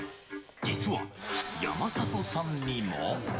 実は、山里さんにも。